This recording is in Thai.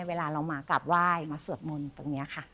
เวลาเรามากราบไหว้มาสวดมนต์ตรงนี้ค่ะ